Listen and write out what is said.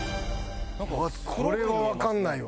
これはわかんないわ。